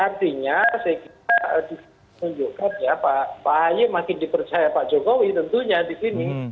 artinya saya kira ditunjukkan ya pak ahy makin dipercaya pak jokowi tentunya di sini